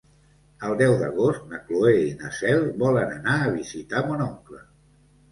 El deu d'agost na Cloè i na Cel volen anar a visitar mon oncle.